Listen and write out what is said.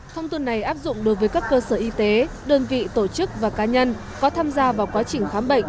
thông tin này áp dụng đối với các cơ sở y tế đơn vị tổ chức và cá nhân có tham gia vào quá trình khám bệnh